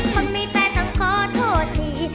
คนมีแฟนต้องขอโทษที